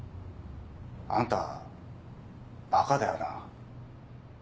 あんたバカだよな。